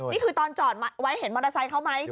นี่คือตอนจอดไว้เห็นมอเตอร์ไซค์เขาไหม